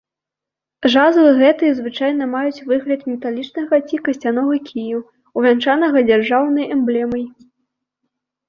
Жазлы гэтыя звычайна маюць выгляд металічнага ці касцянога кію, увянчанага дзяржаўнай эмблемай.